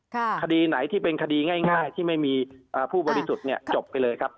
คดีไหนที่เป็นคดีง่ายที่ไม่มีผู้บริสุทธิ์เนี่ยจบไปเลยครับ